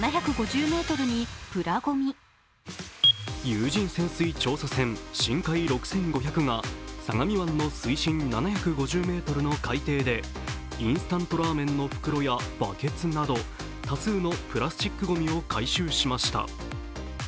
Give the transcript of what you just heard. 有人潜水調査船「しんかい６５００」が相模湾の水深７５０ｍの海底で、インスタントラーメンの袋やバケツなど、多数のプラスチックごみを回収しました。